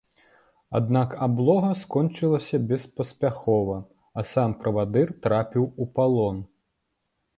Аднак аблога скончылася беспаспяхова, а сам правадыр трапіў у палон.